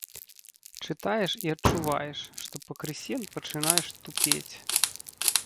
Чытаеш і адчуваеш, што пакрысе пачынаеш тупець.